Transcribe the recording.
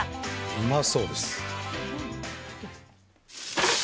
うまそうです。